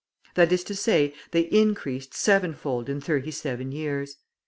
That is to say, they increased sevenfold in thirty seven years.